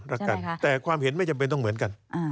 แล้วกันแต่ความเห็นไม่จำเป็นต้องเหมือนกัน